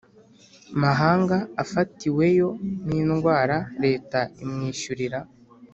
Mahanga afatiweyo n indwara leta imwishyurira